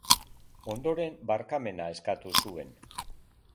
Ondoren, barkamena eskatu zuen.